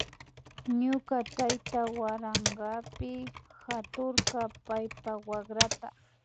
Ñuka tayta warankapami haturka paypa wakrata